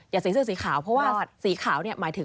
อย่าใส่เสื้อสีขาวเพราะว่าสีขาวเนี่ย